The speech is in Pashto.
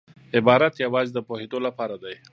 عبارت یوازي د پوهېدو له پاره دئ.